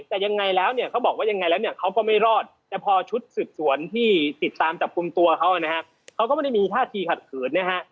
แต่ยังไงแล้วเนี่ยเขาบอกว่ายังไงแล้วเนี่ยเขาก็ไม่รอดแต่พอชุดสืบสวนที่ติดตามจับกลุ่มตัวเขานะฮะเขาก็ไม่ได้มีท่าทีขัดขืนนะฮะ